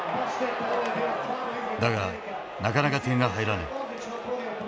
だがなかなか点が入らない。